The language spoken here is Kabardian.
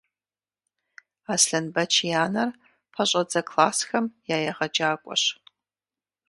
Аслъэнбэч и анэр пэщӏэдзэ классхэм я егъэджакӏуэщ.